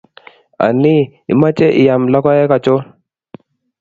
Anii, imeche iyam lokoek anchon?